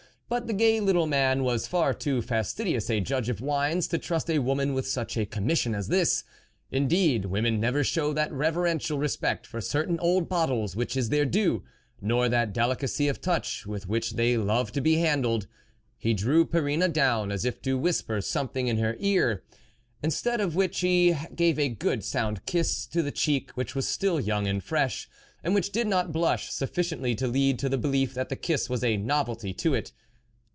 But the gay little man was far too fastidious a judge of wines to trust a woman with such a commission as this. Indeed, women never show that reveren tial respect for certain old bottles which is their due, nor that delicacy of touch with which they love to be handled. He drew Perrine down as if to whisper some thing in her ear ; instead of which he gave a good sound kiss to the cheek which was still young and fresh, and which did not blush sufficiently to lead to the belief that the kiss was a novelty to it.